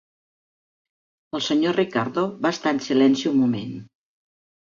El Sr. Ricardo va estar en silenci un moment.